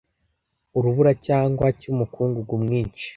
urubura cyangwa cy'umukungugu mwinshi